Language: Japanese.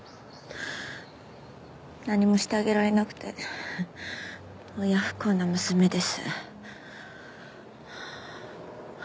何もしてあげられなくて親不孝な娘です。